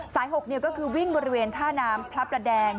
สาย๖นี่ก็คือวิ่งบนบริเวณท่านามพรับและแดง